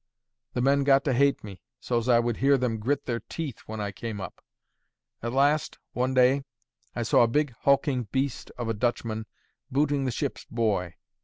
The men got to hate me, so's I would hear them grit their teeth when I came up. At last, one day, I saw a big hulking beast of a Dutchman booting the ship's boy.